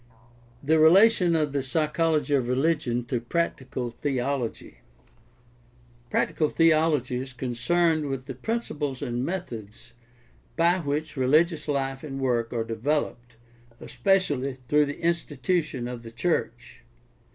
THE RELATION OF THE PSYCHOLOGY OF RELIGION TO PRACTICAL THEOLOGY Practical theology is concerned with the principles and methods by which religious life and work are developed, especially through the institution of the church.